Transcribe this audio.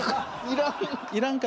いらん？